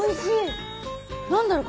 何だろう。